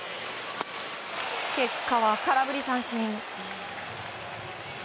結果は空振り三振。